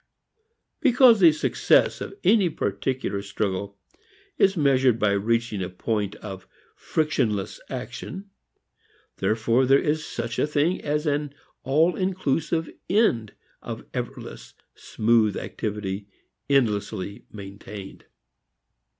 Because the success of any particular struggle is measured by reaching a point of frictionless action, therefore there is such a thing as an all inclusive end of effortless smooth activity endlessly maintained.